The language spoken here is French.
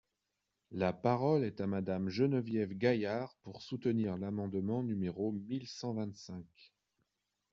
La parole est à Madame Geneviève Gaillard, pour soutenir l’amendement numéro mille cent vingt-cinq.